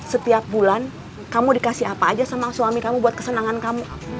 setiap bulan kamu dikasih apa aja sama suami kamu buat kesenangan kamu